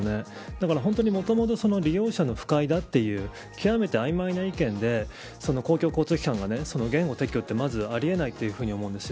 だから本当にもともと利用者の不快だというあいまいな意見で公共交通機関が言語を撤去ってありえないと思うんです。